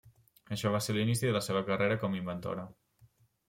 Això va ser l'inici de la seva carrera com a inventora.